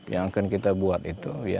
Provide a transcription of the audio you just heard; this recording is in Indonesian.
yang akan kita buat itu